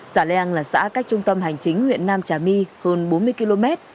trà leang là xã cách trung tâm hành chính huyện nam trà my hơn bốn mươi km